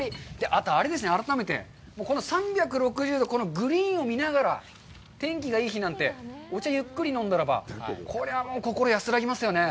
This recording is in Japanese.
あと、あれですね、改めて、この３６０度、グリーンを見ながら、天気がいい日なんて、お茶をゆっくり飲んだならば、これはもう心が安らぎますよね。